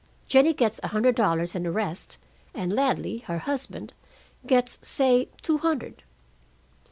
Jennie gets a hundred dollars and a rest, and Ladley, her husband, gets, say, two hundred.'